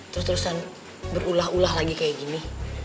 terus terusan berulah ulah lagi kayak gini